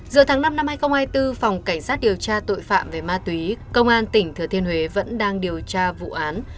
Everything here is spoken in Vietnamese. giữa tháng năm năm hai nghìn hai mươi bốn phòng cảnh sát điều tra tội phạm về ma túy công an tỉnh thừa thiên huế vẫn đang điều tra vụ án